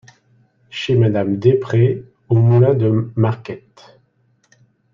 chez Mme Despretz, au Moulin de Marquette.